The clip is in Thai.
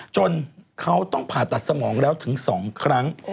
จนเขาต้องผ่าตัดสมองแล้วถึง๒ครั้ง